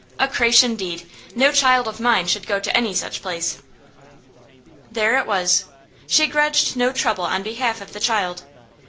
A creche, indeed! No child of mine should go to any such place.' There it was. She grudged no trouble on behalf of the child.